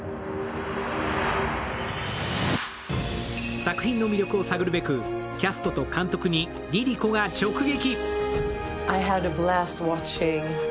作品の魅力を探るべくキャストと監督にＬｉＬｉＣｏが直撃。